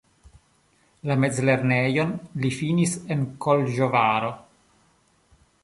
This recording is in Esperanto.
La mezlernejon li finis en Koloĵvaro.